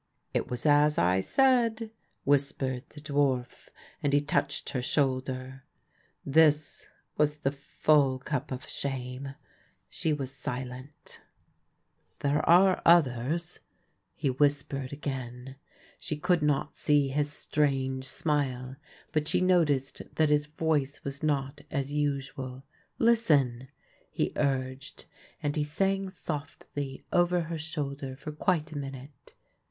" It was as I said," whispered the dwarf, and he touched her shoulder. This was the full cup of shame. She was silent. 15 226 THE LANE THAT HAD NO TURNING " There are others," he whispered again. She could not see his strange smile ; but she noticed that his voice was not as usual. " Listen," he urged, and he sang softly over her shoulder for quite a minute.